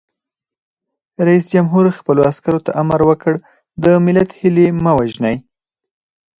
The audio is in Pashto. رئیس جمهور خپلو عسکرو ته امر وکړ؛ د ملت هیلې مه وژنئ!